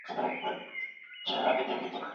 چې نوم یې زعفران دی.